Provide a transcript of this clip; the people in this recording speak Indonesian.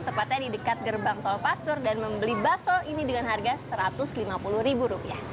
tepatnya di dekat gerbang tol pastur dan membeli bakso ini dengan harga satu ratus lima puluh ribu rupiah